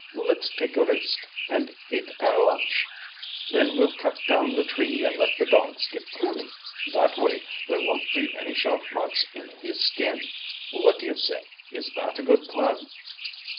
Let's take a rist, and ate our lunch. Then we'll cut down the tree and let the dogs get cooney. That way there won't be any shot marks in his skin. What do you say? Is that a good plan?"